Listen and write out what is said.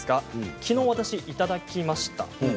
きのう、私いただきました。